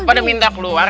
pada minta keluar